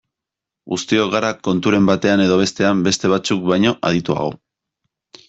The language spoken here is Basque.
Guztiok gara konturen batean edo bestean beste batzuk baino adituago.